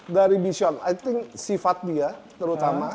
dari bison i think sifat dia terutama